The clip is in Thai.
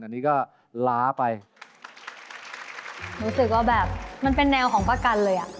อันนี้ก็ล้าไปรู้สึกว่าแบบมันเป็นแนวของประกันเลยอ่ะ